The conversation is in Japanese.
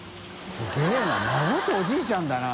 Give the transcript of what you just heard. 垢欧Г孫とおじいちゃんだな。